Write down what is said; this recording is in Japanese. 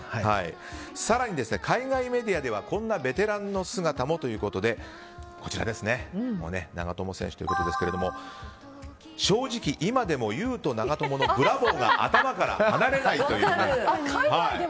更に海外メディアにはこんなベテランの姿もということで長友選手ですが正直、今でもユウト・ナガトモのブラボーが頭から離れないと。